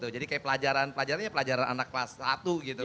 jadi kayak pelajaran pelajarannya pelajaran anak kelas satu gitu